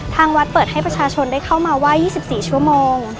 ทางวัดเปิดให้ประชาชนได้เข้ามาไหว้๒๔ชั่วโมง